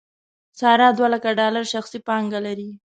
ساره دولکه ډالر شخصي پانګه لري.